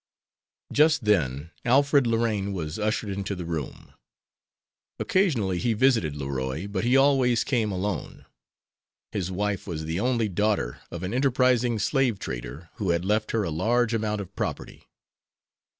Just then Alfred Lorraine was ushered into the room. Occasionally he visited Leroy, but he always came alone. His wife was the only daughter of an enterprising slave trader, who had left her a large amount of property.